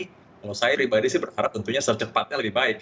kalau saya pribadi sih berharap tentunya secepatnya lebih baik